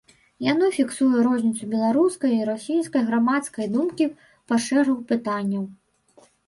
Яно фіксуе розніцу беларускай і расійскай грамадскай думкі па шэрагу пытанняў.